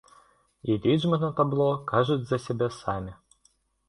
І лічбы на табло кажуць за сябе самі.